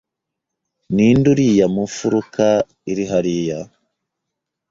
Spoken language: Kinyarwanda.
Ninde uriya mu mfuruka iri hariya?